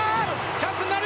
チャンスになる！